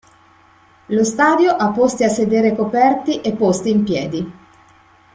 Lo stadio ha posti a sedere coperti e posti in piedi.